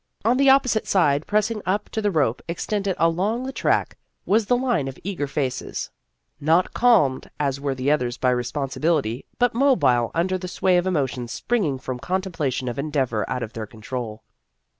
On the opposite side, pressing up to the rope extended along the track, was the line of eager faces, not 172 Vassar Studies calmed as were the others by responsibil ity, but mobile under the sway of emotions springing from contemplation of endeavor out of their control.